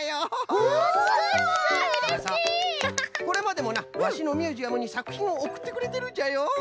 これまでもなワシのミュージアムにさくひんをおくってくれてるんじゃよ。